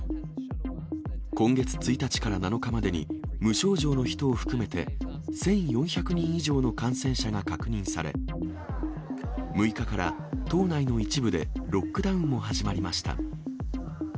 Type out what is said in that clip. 今月１日から７日までに、無症状の人を含めて、１４００人以上の感染者が確認され、６日から、島内の一部でロックダウンも始まりました。